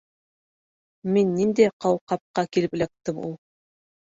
Мин ниндәй ҡауҡабҡа килеп эләктем ул?